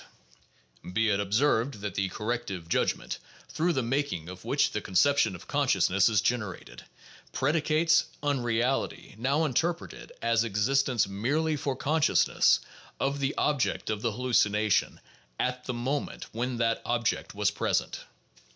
3 Be it observed that the corrective judg ment, through the making of which the conception of consciousness is generated, predicates "unreality" — now interpreted as "existence merely for consciousness" — of the object of the hallucination at the moment when that object was present.